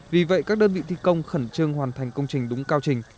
vì vậy các đơn vị thi công khẩn trương hoàn thành công trình đúng cao trình